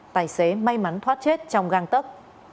tài xế may mắn thoát chết trong găng tấc